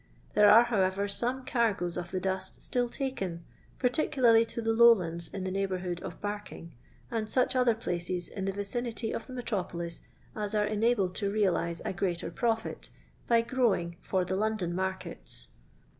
Then are, how^ ever, some cargoes of the dust itill taken, par ticularly to the lowlands in the neighbourhood of Barking, and such other phoes in the vicinity of the metropolis as are enabled to realise • greater profit, by growing for the London markets.